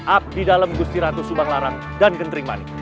up di dalam gusti ratu subang larang dan gentering manik